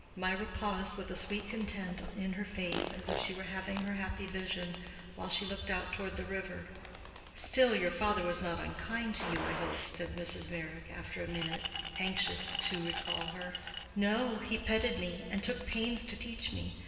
Mirah paused with a sweet content in her face, as if she were having her happy vision, while she looked out toward the river. "Still your father was not unkind to you, I hope," said Mrs. Meyrick, after a minute, anxious to recall her. "No; he petted me, and took pains to teach me.